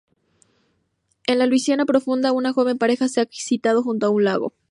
En la Luisiana profunda, una joven pareja se ha citado junto a un lago.